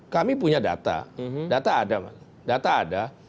kami punya data data ada